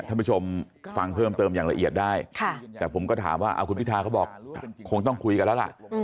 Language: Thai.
ท่านผู้ชมฟังเพิ่มเติมอย่างละเอียดได้แต่ผมก็ถามว่าคุณพิทาเขาบอกคงต้องคุยกันแล้วล่ะ